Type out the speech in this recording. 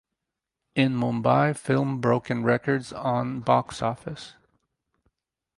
In Mumbai film broken records on box office.